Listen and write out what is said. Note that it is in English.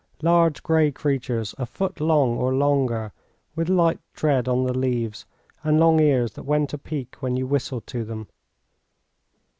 Large gray creatures, a foot long or longer, with light tread on the leaves, and long ears that went a peak when you whistled to them.